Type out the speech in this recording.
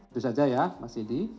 itu saja ya mas idi